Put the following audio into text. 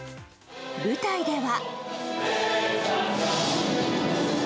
舞台では。